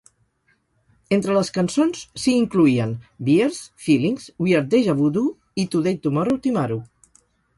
Entre les cançons, s'hi incloïen "Beers", "Feelings", "We are Deja Voodoo" i "Today Tomorrow Timaru".